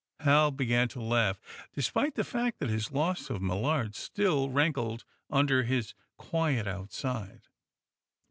Hal began to laugh, despite the fact that his loss of Millard still rankled under his quiet outside.